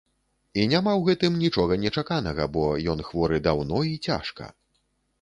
І няма ў гэтым нічога нечаканага, бо ён хворы даўно і цяжка.